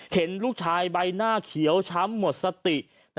เห็นลูกชายใบหน้าเขียวช้ำหมดสติ